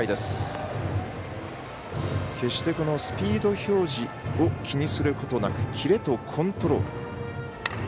決してスピード表示を気にすることなくキレとコントロール。